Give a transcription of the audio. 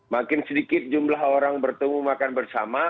makin sedikit jumlah orang bertemu makan bersama